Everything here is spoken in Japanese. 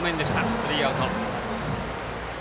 スリーアウト。